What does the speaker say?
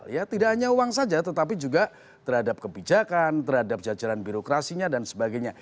ya tidak hanya uang saja tetapi juga terhadap kebijakan terhadap jajaran birokrasinya dan sebagainya